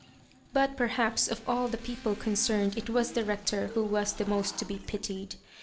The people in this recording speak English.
But perhaps of all the people concerned it was the Bector who was the most to be pitied.